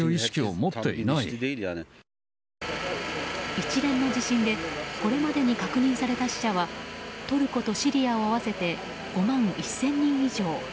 一連の地震でこれまでに確認された死者はトルコとシリアを合わせて５万１０００人以上。